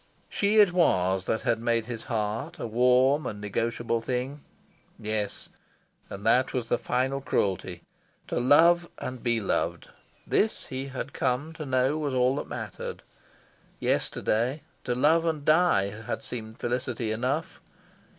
She it was that had made his heart a warm and negotiable thing. Yes, and that was the final cruelty. To love and be loved this, he had come to know, was all that mattered. Yesterday, to love and die had seemed felicity enough.